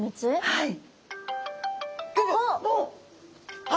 はい。